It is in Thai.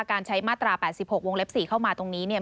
ว่าการใช้มาตราแปดสิบหกวงลัปสี่เข้ามาตรงนี้เนี่ย